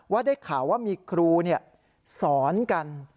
ได้ข่าวว่ามีครูสอนกัน